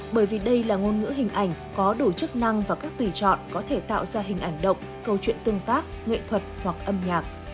bởi vì đây là ngôn ngữ hình ảnh có đủ chức năng và các tùy chọn có thể tạo ra hình ảnh động câu chuyện tương tác nghệ thuật hoặc âm nhạc